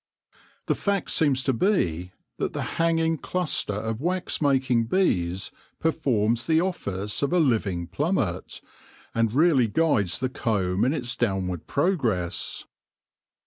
The fact seems to be that the hanging cluster of wax making bees performs the office of a living plummet, and really guides the comb in its downward progress.